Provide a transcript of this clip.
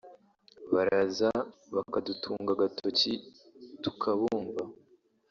“Baraza bakadutunga agatoki tukabumva